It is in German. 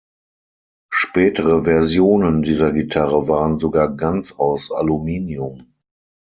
Spätere Versionen dieser Gitarre waren sogar ganz aus Aluminium.